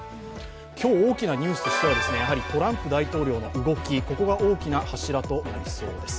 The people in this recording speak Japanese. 大きなニュースとしてはトランプ大統領の動き、ここが大きくなりそうです。